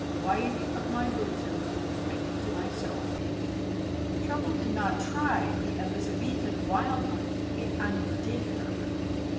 Wife of my bosom, wedded to my soul! Trouble did not "try" the Elizabethan wild one, it undid her.